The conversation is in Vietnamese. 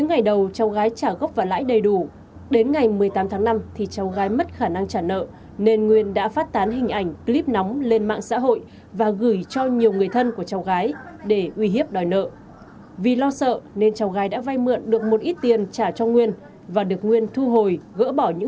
ngay sau đây sẽ là những thông tin về truy nã tội phạm